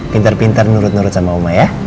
pinter pinter nurut nurut sama oma ya